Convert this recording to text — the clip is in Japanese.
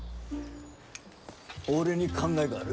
俺に考えがある。